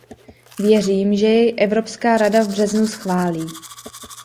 Věřím, že jej Evropská rada v březnu schválí.